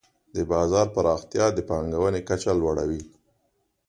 د بازار پراختیا د پانګونې کچه لوړوي.